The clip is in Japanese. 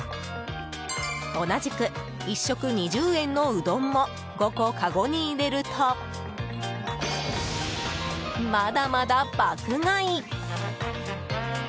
同じく１食２０円のうどんも５個かごに入れるとまだまだ爆買い！